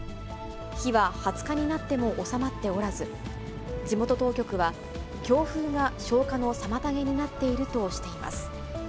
火は２０日になっても収まっておらず、地元当局は、強風が消火の妨げになっているとしています。